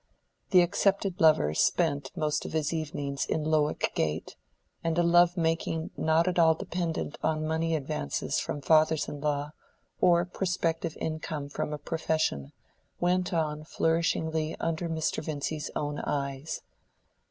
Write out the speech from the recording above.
The accepted lover spent most of his evenings in Lowick Gate, and a love making not at all dependent on money advances from fathers in law, or prospective income from a profession, went on flourishingly under Mr. Vincy's own eyes.